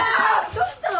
どうしたの！？